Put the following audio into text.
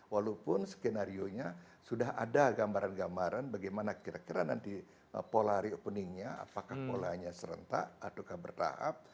walaupun skenario nya sudah ada gambaran gambaran bagaimana kira kira nanti pola reopeningnya apakah polanya serentak ataukah bertahap